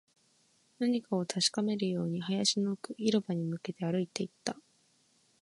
何かを確かめるように、林の奥、広場に向けて歩いていった